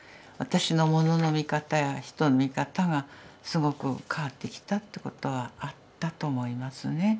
私のものの見方や人の見方がすごく変わってきたってことはあったと思いますね。